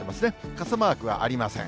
傘マークはありません。